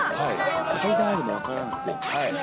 階段があるの、分からなくて。